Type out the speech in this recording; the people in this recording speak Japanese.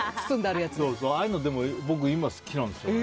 ああいうの、今好きなんですよね。